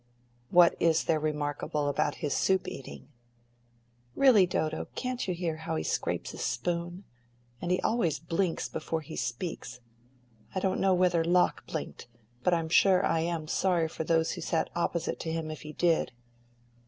"What is there remarkable about his soup eating?" "Really, Dodo, can't you hear how he scrapes his spoon? And he always blinks before he speaks. I don't know whether Locke blinked, but I'm sure I am sorry for those who sat opposite to him if he did."